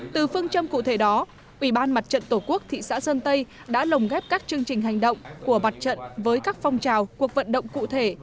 từ phương châm cụ thể đó ủy ban mặt trận tổ quốc thị xã sơn tây đã lồng ghép các chương trình hành động của mặt trận với các phong trào cuộc vận động cụ thể